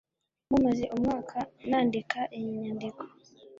Mumaze umwaka nandika iyi nyandiko.